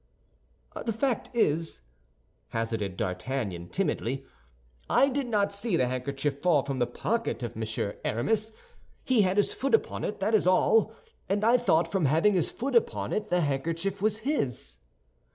"The fact is," hazarded D'Artagnan, timidly, "I did not see the handkerchief fall from the pocket of Monsieur Aramis. He had his foot upon it, that is all; and I thought from having his foot upon it the handkerchief was his."